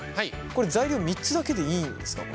これ材料３つだけでいいんですか？